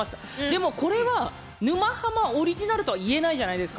でもこれは「沼ハマ」オリジナルとは言えないじゃないですか。